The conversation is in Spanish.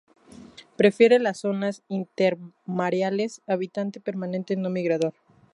Prefiere las zonas intermareales, habitante permanente no migrador.